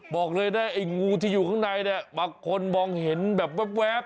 บอกเลยนะไอ้งูที่อยู่ข้างในเนี่ยบางคนมองเห็นแบบแว๊บ